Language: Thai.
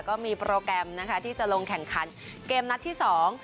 ก็มีโปรแกรมนะคะที่จะลงแข่งขันเกมนัดที่สอง